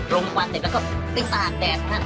ลงกับควันแล้วก็เต้นต่างแดดนะ